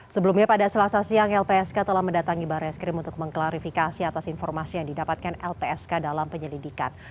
sebelumnya pada selasa siang lpsk telah mendatangi barreskrim untuk mengklarifikasi atas informasi yang didapatkan lpsk dalam penyelidikan